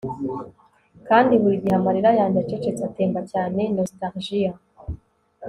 kandi burigihe, amarira yanjye acecetse atemba cyane nostalgia